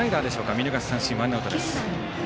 見逃し三振、ワンアウトです。